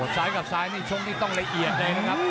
ซ้ายกับซ้ายนี่ชกนี่ต้องละเอียดเลยนะครับ